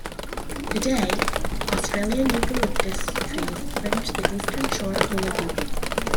Today, Australian eucalyptus trees fringe the eastern shore of the lagoon.